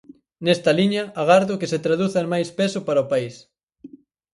Nesta liña, agardo que se traduza en máis peso para o país.